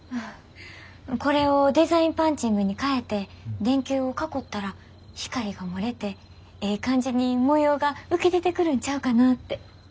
これをデザインパンチングに変えて電球を囲ったら光が漏れてええ感じに模様が浮き出てくるんちゃうかなって。